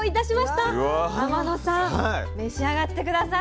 天野さん召し上がって下さい。